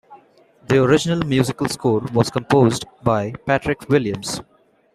The original musical score was composed by Patrick Williams.